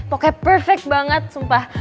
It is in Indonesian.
pokoknya perfect banget sumpah